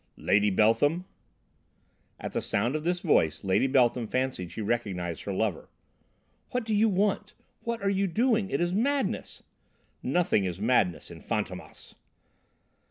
"Lady Beltham!" At the sound of this voice, Lady Beltham fancied she recognised her lover. "What do you want? What are you doing? It is madness!" "Nothing is madness in Fantômas!"